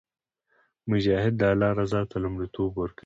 مجاهد د الله رضا ته لومړیتوب ورکوي.